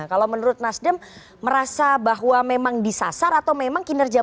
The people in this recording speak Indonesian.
kalau menurut nasdem merasa bahwa memang disasar atau memang kinerja